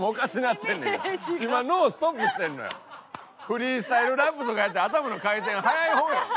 フリースタイルラップとかやって頭の回転速い方よ。